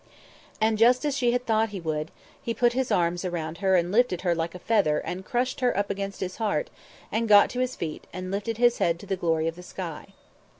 And, just as she had thought he would, he put his arms around her and lifted her like a feather and crushed her up against his heart and got to his feet and lifted his head to the glory of the sky.